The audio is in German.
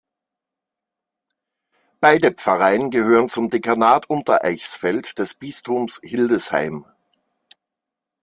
Beide Pfarreien gehören zum Dekanat Untereichsfeld des Bistums Hildesheim.